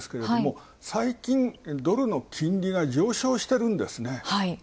最近、ドルの金利が上昇してるんですね。